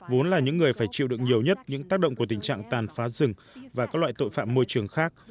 vốn là những người phải chịu được nhiều nhất những tác động của tình trạng tàn phá rừng và các loại tội phạm môi trường khác